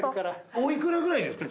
おいくらぐらいですか